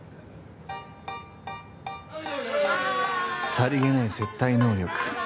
さりげない接待能力。